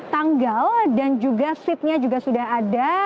tanggal dan juga seatnya juga sudah ada